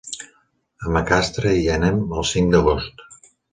A Macastre hi anem el cinc d'agost.